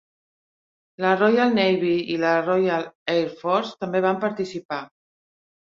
La Royal Navy i la Royal Air Force també van participar.